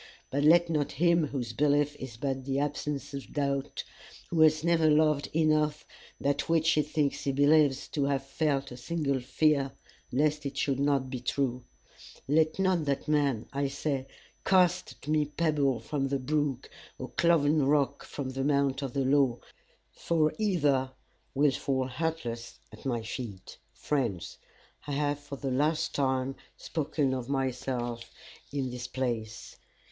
But let not him whose belief is but the absence of doubt, who has never loved enough that which he thinks he believes to have felt a single fear lest it should not be true let not that man, I say, cast at me pebble from the brook, or cloven rock from the mount of the law, for either will fall hurtless at my feet. Friends, I have for the last time spoken of myself in this place.